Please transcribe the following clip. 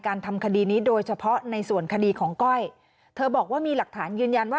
ความลับอะไรครับความลับอะไรยังไง